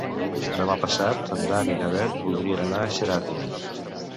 Demà passat en Dan i na Bet voldrien anar a Xeraco.